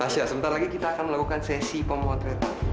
tasya sebentar lagi kita akan melakukan sesi pemotret